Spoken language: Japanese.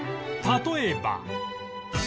例えば